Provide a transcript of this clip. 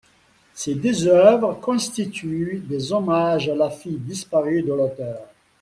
Ces deux œuvres constituent des hommages à la fille disparue de l'auteur.